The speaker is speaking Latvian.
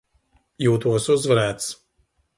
Jūtos uzvarēts.